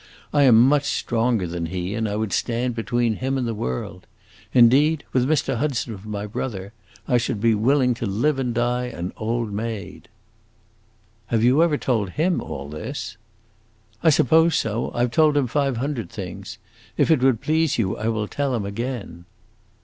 I am much stronger than he, and I would stand between him and the world. Indeed, with Mr. Hudson for my brother, I should be willing to live and die an old maid!" "Have you ever told him all this?" "I suppose so; I 've told him five hundred things! If it would please you, I will tell him again."